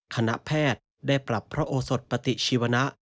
คณะแพทย์ได้ปรับพระโอสดปฏิชีวนะ